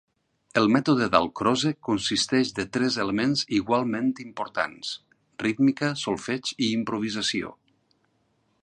El Mètode Dalcroze consisteix de tres elements igualment importants: rítmica, solfeig i improvisació.